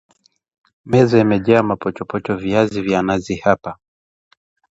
Meza imejaa mapochopocho; viazi vya nazi hapa